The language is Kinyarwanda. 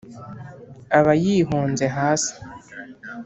aba yihonze hasi.